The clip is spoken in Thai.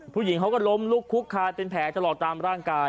ผู้หญิงเขาก็ล้มลุกคุกคานเป็นแผลตลอดตามร่างกาย